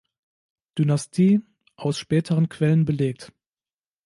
Dynastie aus späteren Quellen belegt.